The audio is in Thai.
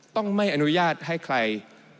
ต้องไม่อนุญาตให้ใคร